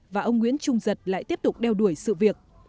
và ông nguyễn trung giật lại tiếp tục đeo đuổi sự việc